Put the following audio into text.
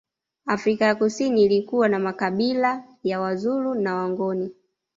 Afrika ya Kusini ilikuwa na makabila ya Wazulu na Wangoni